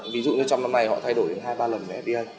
ví dụ như trong năm nay họ thay đổi đến hai ba lần về fda